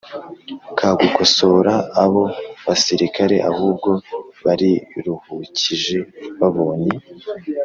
Ka gukosora abo basirikare ahubwo bariruhukije babonye